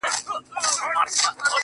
سپینږیري یې وژني